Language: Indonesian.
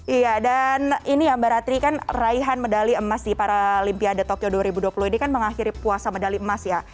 iya dan ini ya mbak ratri kan raihan medali emas di paralimpiade tokyo dua ribu dua puluh ini kan mengakhiri puasa medali emas ya